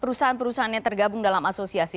perusahaan perusahaan yang tergabung dalam asosiasi